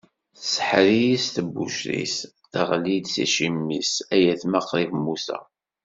Tseḥḥer-iyi s tebbuct-is, teɣli-d s iciwi-s, ay atma qrib mmuteɣ!